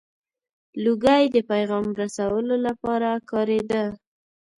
• لوګی د پیغام رسولو لپاره کارېده.